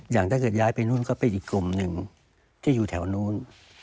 อย่างถ้าเกิดย้ายไปนู่นก็เป็นอีกกลุ่มหนึ่งที่อยู่แถวนู้น